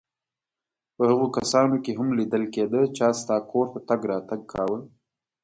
په هغو کسانو کې هم لیدل کېده چا ستا کور ته تګ راتګ کاوه.